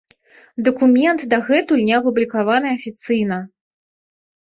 Дакумент дагэтуль не апублікаваны афіцыйна.